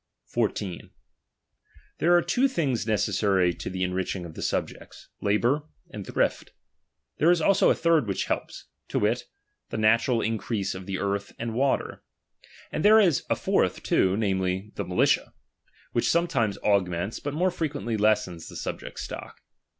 1 14. There are two things necessary to the en 1 richiug of the subjects, labour and thrift ; there ' is also a third which helps, to wit, the natural in ' crease of the earth and water ; and there is a fourth too, namely, the militia, which sometimes augments, but more frequently lessens the subjects' stock.